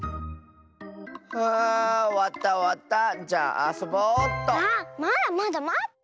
あまだまだまって。